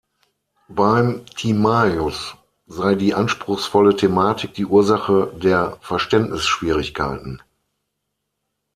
Beim "Timaios" sei die anspruchsvolle Thematik die Ursache der Verständnisschwierigkeiten.